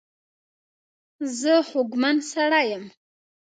زه خوږمن سړی یم.